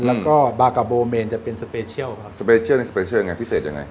แล้วก็บากาโบเมนจะเป็นสเปเชียลครับสเปเชียลในสเปเชียลยังไงพิเศษยังไง